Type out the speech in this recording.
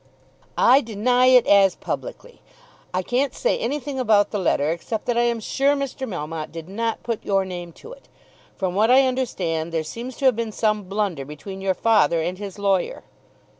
"I deny it as publicly. I can't say anything about the letter except that I am sure Mr. Melmotte did not put your name to it. From what I understand there seems to have been some blunder between your father and his lawyer."